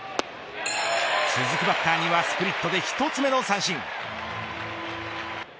続くバッターにはスプリットで１つ目の三振。